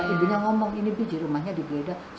ibunya ngomong ini biji rumahnya di beda